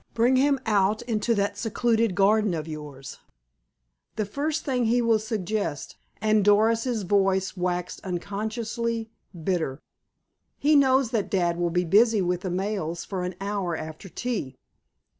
Bring him out into that secluded garden of yours—" "The first thing he will suggest," and Doris's voice waxed unconsciously bitter. "He knows that dad will be busy with the mails for an hour after tea."